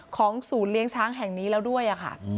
ของศูนย์เลี้ยงช้างแห่งนี้แล้วด้วยค่ะ